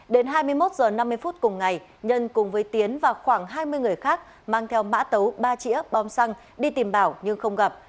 đến hai mươi một h năm mươi phút cùng ngày nhân cùng với tiến và khoảng hai mươi người khác mang theo mã tấu ba chỉa bom xăng đi tìm bảo nhưng không gặp